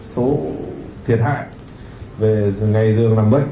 số thiệt hại về ngày dường làm bệnh